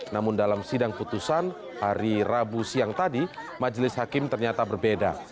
namun dalam sidang putusan hari rabu siang tadi majelis hakim ternyata berbeda